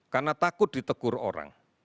karena takut ditegur orang